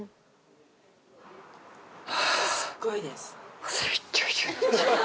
すっごいです。